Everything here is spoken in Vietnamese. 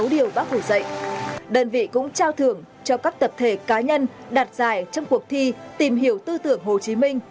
đơn vị cũng trao thưởng cho các tập thể cá nhân đạt giải trong cuộc thi tìm hiểu tư tưởng hồ chí minh